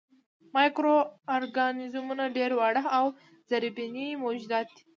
مایکرو ارګانیزمونه ډېر واړه او زرېبيني موجودات دي.